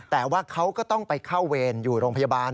แต่ว่าเขาก็ต้องไปเข้าเวรอยู่โรงพยาบาล